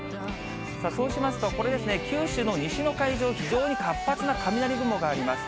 そうしますと、これですね、九州の西の海上、非常に活発な雷雲があります。